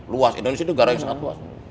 luas indonesia itu negara yang sangat luas